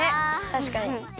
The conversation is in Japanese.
たしかに。